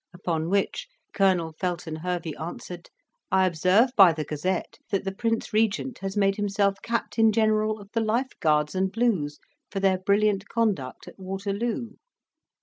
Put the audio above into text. upon which, Colonel Felton Hervey answered, "I observe by the Gazette that the Prince Regent has made himself Captain General of the Life Guards and Blues, for their brilliant conduct at Waterloo."